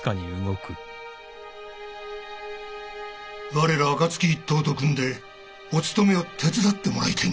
我ら暁一党と組んでお盗めを手伝ってもらいてえんです。